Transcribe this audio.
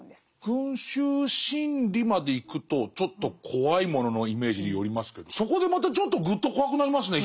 「群衆心理」までいくとちょっと怖いもののイメージに寄りますけどそこでまたちょっとぐっと怖くなりますね。